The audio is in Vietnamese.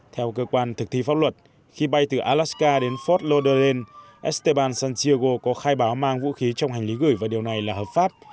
theo cơ quan thực thi pháp luật khi bay từ alaska đến ford loden esteban santiago có khai báo mang vũ khí trong hành lý gửi và điều này là hợp pháp